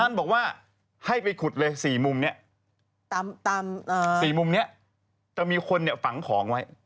ท่านบอกว่าให้ไปขุดเลย๔มุมเนี่ยตาม๔มุมเนี่ยจะมีคนเนี่ยฝังของไว้